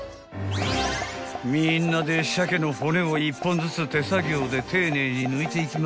［みんなで鮭の骨を１本ずつ手作業で丁寧に抜いていきますよ］